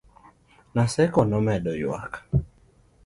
Naseko nomedo yuak